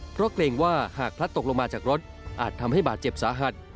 เพราะเกรงว่าหากพลัดตกลงมาจากรถอาจทำให้บาดเจ็บสาหัส